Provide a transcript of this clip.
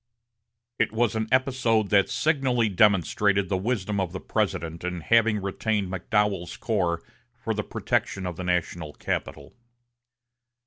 It was an episode that signally demonstrated the wisdom of the President in having retained McDowell's corps for the protection of the national capital.